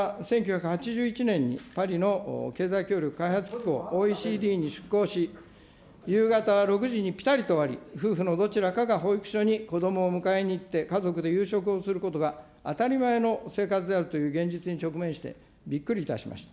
私は１９８１年にパリの経済協力開発機構・ＯＥＣＤに出向し、夕方６時にぴたりと終わり、夫婦のどちらかが保育所に子どもを迎えに行って、家族で夕食をすることが当たり前の生活であるという現実に直面して、びっくりいたしました。